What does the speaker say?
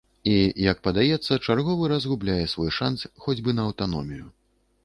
І, як падаецца, чарговы раз губляе свой шанц хоць бы на аўтаномію.